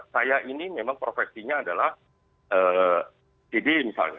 saya ini memang profesinya adalah jd misalnya